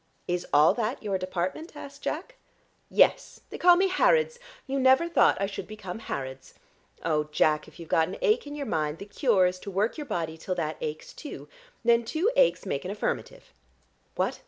"Is all that your department?" asked Jack. "Yes, they call me Harrods. You never thought I should become Harrods. Oh, Jack, if you've got an ache in your mind, the cure is to work your body till that aches too. Then two aches make an affirmative." "What?"